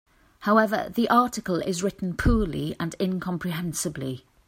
However, the article is written poorly and incomprehensibly.